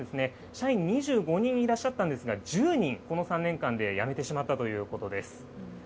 社員２５人いらっしゃったんですが、１０人、この３年間で辞めてしまったということです。